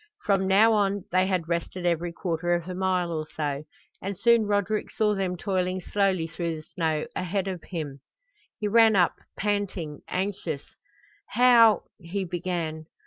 From now on they had rested every quarter of a mile or so, and soon Roderick saw them toiling slowly through the snow ahead of him. He ran up, panting, anxious. "How " he began.